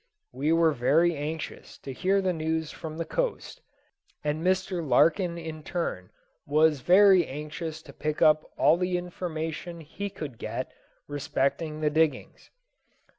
We were very anxious to hear the news from the coast, and Mr. Larkin in turn was very anxious to pick up all the information he could get respecting the diggings.